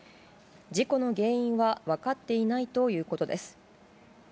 事故の原因は分かっていないということです。